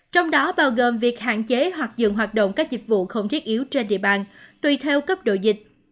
trong đó bao gồm việc hạn chế hoặc dừng hoạt động các dịch vụ không thiết yếu trên địa bàn tùy theo cấp độ dịch